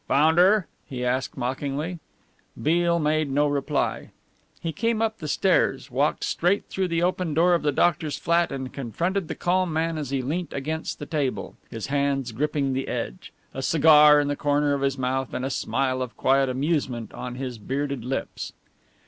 "Found her?" he asked mockingly. Beale made no reply. He came up the stairs, walked straight through the open door of the doctor's flat and confronted that calm man as he leant against the table, his hands gripping the edge, a cigar in the corner of his mouth and a smile of quiet amusement on his bearded lips.